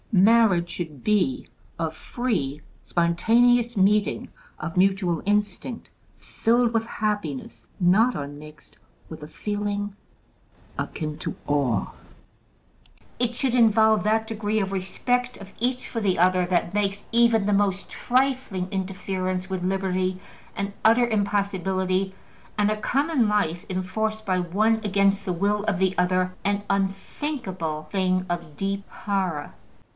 Marriage should be a free, spontaneous meeting of mutual instinct, filled with happiness not unmixed with a feeling akin to awe: it should involve that degree of respect of each for the other that makes even the most trifling interference with liberty an utter impossibility, and a common life enforced by one against the will of the other an unthinkable thing of deep horror.